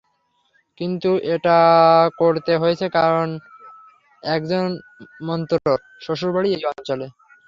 কিন্তু এটা করতে হয়েছে, কারণ একজন মন্ত্রর শ্বশুরবাড়ি এই অঞ্চলে।